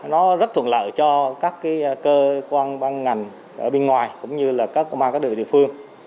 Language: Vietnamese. nó rất thuận lợi cho các cơ quan băng ngành ở bên ngoài cũng như các công an các địa phương